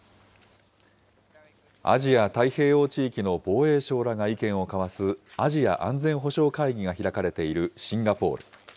アジア太平洋地域の防衛相らが意見を交わすアジア安全保障会議が開かれているシンガポール。